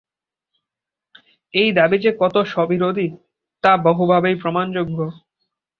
এই দাবি যে কত স্ববিরোধী, তা বহুভাবেই প্রমাণযোগ্য।